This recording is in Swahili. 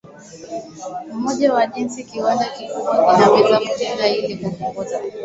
mmoja wa jinsi kiwanda kikubwa kinaweza kutenda ili kupunguza